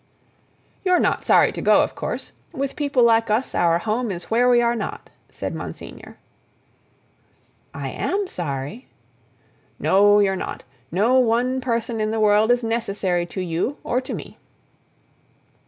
"You're not sorry to go, of course. With people like us our home is where we are not," said Monsignor. "I am sorry—" "No, you're not. No one person in the world is necessary to you or to me."